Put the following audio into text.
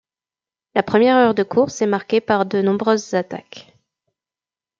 La première heure de course est marquée par de nombreuses attaques.